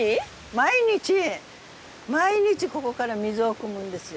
毎日ここから水をくむんですよ。